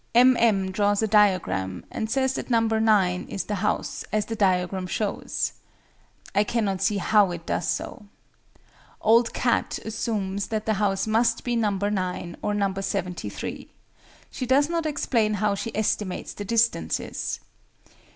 M. M. draws a diagram, and says that No. 9 is the house, "as the diagram shows." I cannot see how it does so. OLD CAT assumes that the house must be No. 9 or No. 73. She does not explain how she estimates the distances.